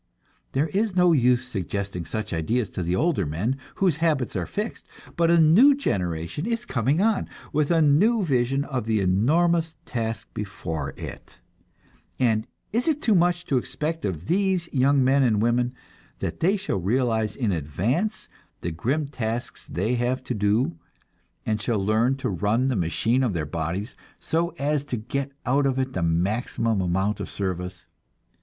There is no use suggesting such ideas to the older men, whose habits are fixed; but a new generation is coming on, with a new vision of the enormous task before it; and is it too much to expect of these young men and women, that they shall realize in advance the grim tasks they have to do, and shall learn to run the machine of their body so as to get out of it the maximum amount of service?